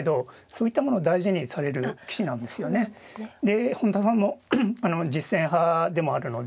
で本田さんも実戦派でもあるので。